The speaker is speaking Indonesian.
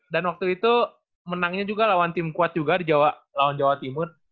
dan waktu itu menangnya juga lawan tim kuat juga di jawa timur